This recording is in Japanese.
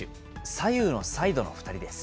左右のサイドの２人です。